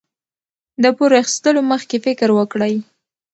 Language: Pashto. د پور اخیستلو مخکې فکر وکړئ.